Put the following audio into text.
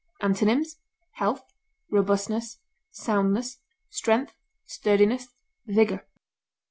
Antonyms: health, robustness, soundness, strength, sturdiness, vigor.